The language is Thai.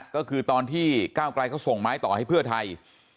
ก็คือตอนที่ก้าวไกลเขาส่งไม้ต่อให้เพื่อไทย